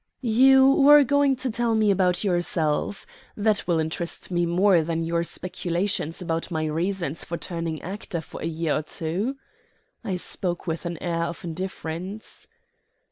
"You were going to tell me about yourself. That will interest me more than your speculations as to my reasons for turning actor for a year or two." I spoke with an air of indifference.